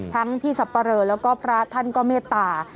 พี่สับปะเรอแล้วก็พระท่านก็เมตตา